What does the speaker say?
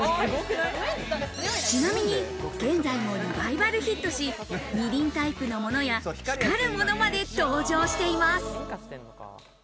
ちなみに現在もリバイバルヒットし、２輪タイプのものや、光るものまで登場しています。